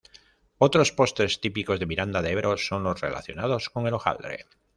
Otros postres típicos de Miranda de Ebro son los relacionados con el hojaldre.